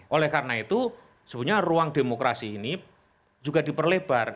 oleh karena itu sebenarnya ruang demokrasi ini juga diperlebar